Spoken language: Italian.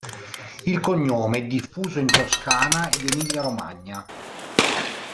Il cognome è diffuso in Toscana ed Emilia-Romagna.